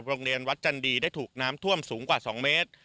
โรงเรียนวัดจันดีได้ถูกน้ำท่วมสูงกว่า๒เมตร